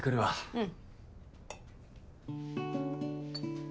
うん。